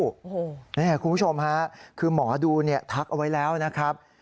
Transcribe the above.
คุณผู้ชมฮะคือหมอดูทักเอาไว้แล้วนะครับ